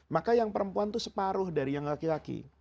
maka yang perempuan itu separuh dari yang laki laki